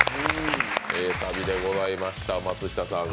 ええ旅でございました。